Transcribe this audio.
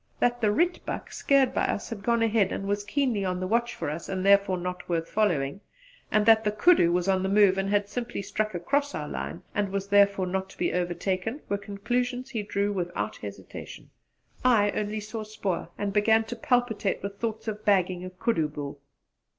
That the rietbuck, scared by us, had gone ahead and was keenly on the watch for us and therefore not worth following, and that the koodoo was on the move and had simply struck across our line and was therefore not to be overtaken, were conclusions he drew without hesitation. I only saw spoor and began to palpitate with thoughts of bagging a koodoo bull.